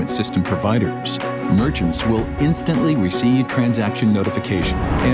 untuk membuat kontak list dan uang digital